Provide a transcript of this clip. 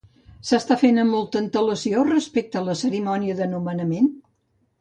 S'està fent amb molta antelació respecte a la cerimònia de nomenament?